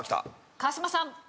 川島さん。